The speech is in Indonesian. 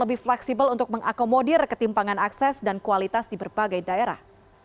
lebih fleksibel untuk mengakomodir ketimpangan akses dan kualitas di berbagai daerah